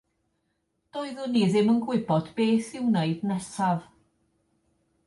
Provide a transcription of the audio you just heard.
Doeddwn ni ddim yn gwybod beth i wneud nesaf.